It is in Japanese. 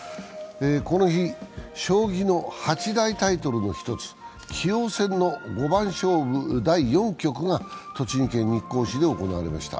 この日、将棋の８大タイトルの１つ、棋王戦の五番勝負第４局が栃木県日光市で行われました。